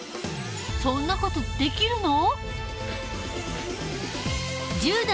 そんな事できるの？